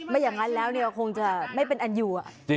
ไม่อย่างนั้นแล้วคงจะไม่เป็นอันอยู่